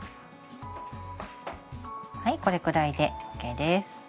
はいこれくらいでＯＫです。